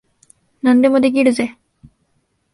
何でもできるぜ。